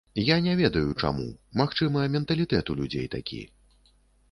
Я не ведаю, чаму, магчыма, менталітэт у людзей такі.